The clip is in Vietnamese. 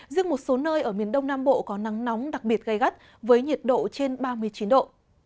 riêng một số nơi ở miền đông nam bộ có nắng nóng đặc biệt gai gắt với nhiệt độ trên ba mươi chín độ